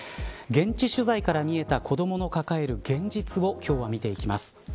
現地取材から見えた子どもの抱える現実を今日は見ていきます。